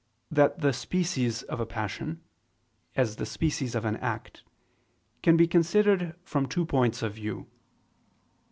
that the species of a passion, as the species of an act, can be considered from two points of view.